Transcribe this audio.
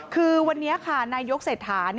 คือวันนี้ค่ะนายกเศรษฐา